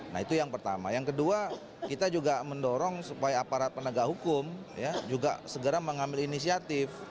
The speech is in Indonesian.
nah itu yang pertama yang kedua kita juga mendorong supaya aparat penegak hukum juga segera mengambil inisiatif